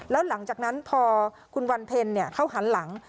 แล้วหลังจากนั้นพอคุณวันเพ็ญเขาหันหลัง